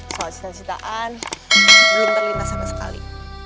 soal cita citaan belum terlintas sama sekali